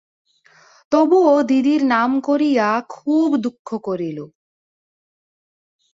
তবুও দিদির নাম করিয়া খুব দুঃখ করিল।